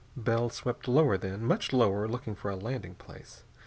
Bell swept lower, then, much lower, looking for a landing place.